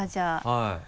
はい。